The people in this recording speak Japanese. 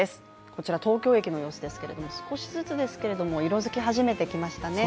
こちら東京駅の様子ですけれども少しずつですけれども色づき始めてきましたね